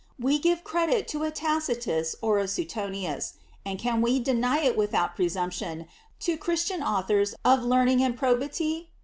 We give credit to aTac itus and a Suetonius, and can we deny it with out presumption to Christian authors of learning and probity?